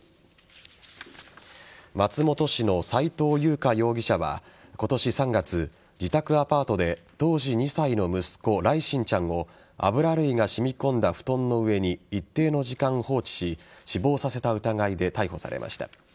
松本市の斉藤優花容疑者は今年３月、自宅アパートで当時２歳の息子・來心ちゃんを油類が染み込んだ布団の上に一定の時間放置し死亡させた疑いで逮捕されました。